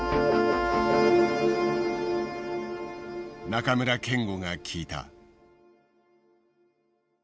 中村憲剛が聞いた。